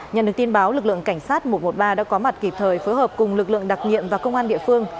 nhận được tin báo lực lượng cảnh sát một trăm một mươi ba đã có mặt kịp thời phối hợp cùng lực lượng đặc nhiệm và công an địa phương